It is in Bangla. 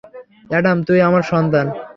অ্যাডাম, তুই আমার সন্তান।